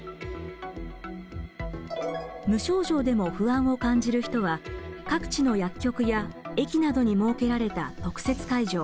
無症状でも不安を感じる人は各地の薬局や駅などに設けられた特設会場